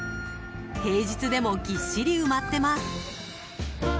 平日でもぎっしり埋まってます。